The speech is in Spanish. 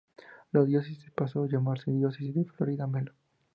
La diócesis pasó a llamarse "Diócesis de Florida-Melo".